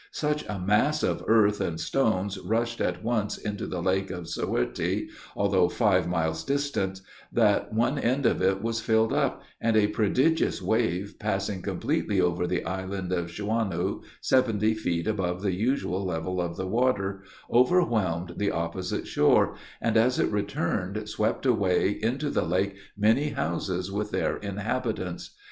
Such a mass of earth and stones rushed at once into the lake of Sowertey, although five miles distant, that one end of it was filled up, and a prodigious wave passing completely over the island of Schwanau, seventy feet above the usual level of the water, overwhelmed the opposite shore, and, as it returned, swept away into the lake many houses with their inhabitants.